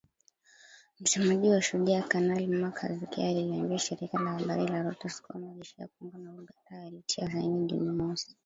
Msemaji wa Shujaa, Kanali Mak Hazukay aliliambia shirika la habari la reuters kuwa majeshi ya Kongo na Uganda yalitia saini Juni mosi